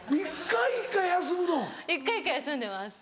１回１回休んでます。